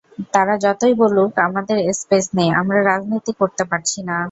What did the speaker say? তারা যতই বলুক আমাদের স্পেস নেই, আমরা রাজনীতি করতে পারছি না।